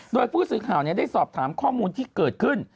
โดยผู้สื่อข่าวได้สอบถามข้อมูลที่เกิดขึ้น